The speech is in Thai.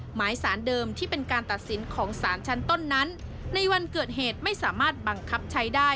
หมายสารเดิมที่เป็นการตัดสินของสารชั้นต้นนั้นในวันเกิดเหตุไม่สามารถบังคับใช้ได้